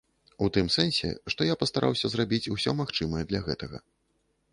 У тым сэнсе, што я пастараўся зрабіць усё магчымае для гэтага.